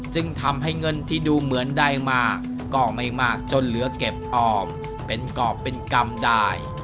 จึงทำให้เงินที่ดูเหมือนได้มาก็ไม่มากจนเหลือเก็บออมเป็นกรอบเป็นกรรมได้